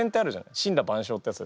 「森羅万象」ってやつですよ。